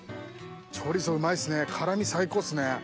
チョリソーうまいっすね辛み最高っすね。